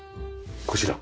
こちら。